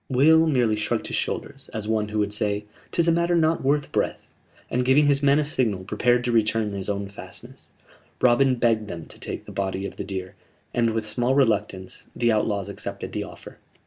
Will merely shrugged his shoulders, as one who would say: "'Tis a matter not worth breath"; and, giving his men a signal, prepared to return to his own fastnesses. Robin begged them to take the body of the deer, and, with small reluctance, the outlaws accepted the offer.